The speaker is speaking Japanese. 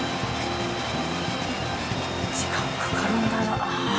時間かかるんだなあ。